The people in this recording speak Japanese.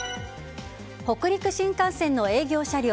北陸新幹線の営業車両